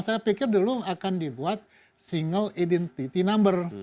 saya pikir dulu akan dibuat single identity number